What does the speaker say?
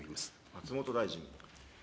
松本大臣。